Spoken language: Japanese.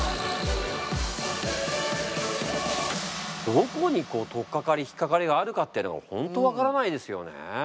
どこに取っかかり引っかかりがあるかっていうのは本当分からないですよね。